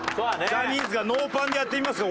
ジャニーズがノーパンでやってみますか？